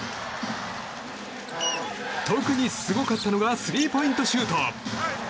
特にすごかったのがスリーポイントシュート。